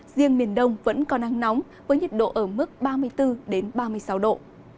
riêng miền đông vẫn còn nắng nóng với nhiệt độ ở mức ba mươi bốn ba mươi sáu độ